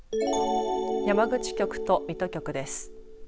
山口局と水戸局です。